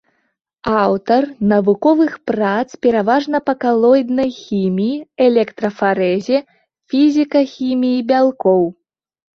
Аўтар навуковых прац пераважна па калоіднай хіміі, электрафарэзе, фізікахіміі бялкоў.